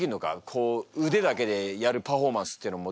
こう腕だけでやるパフォーマンスっていうのも。